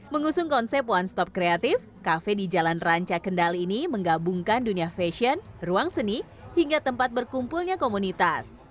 mengusung konsep one stop kreatif kafe di jalan ranca kendal ini menggabungkan dunia fashion ruang seni hingga tempat berkumpulnya komunitas